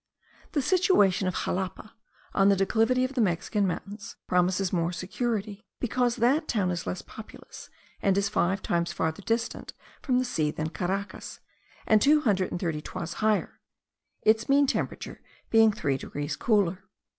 The situation of Xalapa, on the declivity of the Mexican mountains, promises more security, because that town is less populous, and is five times farther distant from the sea than Caracas, and two hundred and thirty toises higher: its mean temperature being three degrees cooler.